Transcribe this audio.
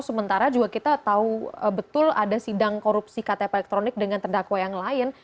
sementara juga kita tahu betul ada sidang korupsi ktp elektronik dengan terdakwa yang lain